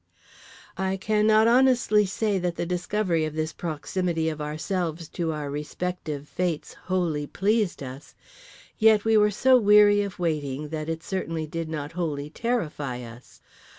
I cannot honestly say that the discovery of this proximity of ourselves to our respective fates wholly pleased us; yet we were so weary of waiting that it certainly did not wholly terrify us.